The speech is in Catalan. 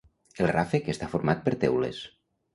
El ràfec està format per teules.